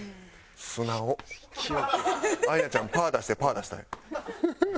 アイナちゃんパー出してパー出したんや。